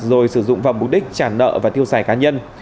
rồi sử dụng vào mục đích trả nợ và tiêu xài cá nhân